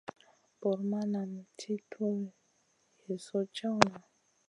Bur ma nan ti tuw Yezu jewna.